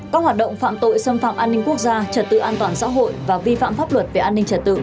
các hoạt động phạm tội xâm phạm an ninh quốc gia trật tự an toàn xã hội và vi phạm pháp luật về an ninh trật tự